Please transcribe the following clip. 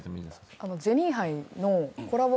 ジェニーハイのコラボ